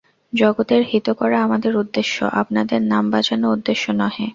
জগতের হিত করা আমাদের উদ্দেশ্য, আপনাদের নাম বাজান উদ্দেশ্য নহে।